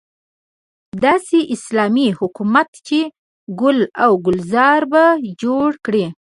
داسې اسلامي حکومت چې ګل او ګلزار به جوړ کړي.